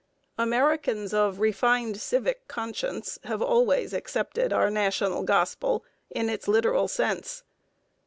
Americans of refined civic conscience have always accepted our national gospel in its literal sense.